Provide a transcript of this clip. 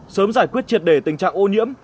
sớm giải quyết triệt để tình trạng ô nhiễm